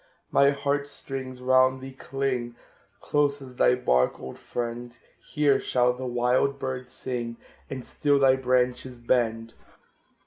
My heart strings round thee cling, Close as thy bark, old friend! Here shall the wild bird sing, And still thy branches bend.